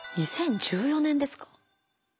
２０１４年ですか。